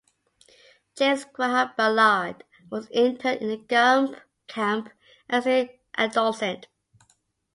James Graham Ballard was interned in the camp as an adolescent.